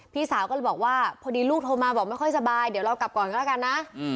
พี่สาวก็เลยบอกว่าพอดีลูกโทรมาบอกไม่ค่อยสบายเดี๋ยวเรากลับก่อนก็แล้วกันนะ